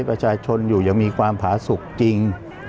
ประชาชนอยู่อย่างมีความผาสุขจริง